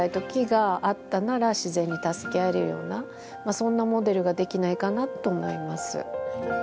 そんなモデルができないかなと思います。